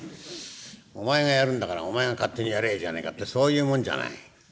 お前がやるんだからお前が勝手にやりゃいいじゃないかってそういうもんじゃない。